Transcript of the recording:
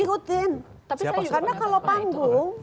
karena kalau panggung